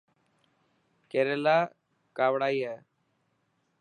ڪيريلا ڪاوڙائي هي.